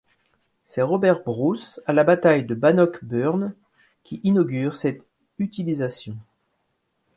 C'est Robert Bruce à la bataille de Bannockburn, qui inaugure cette utilisation.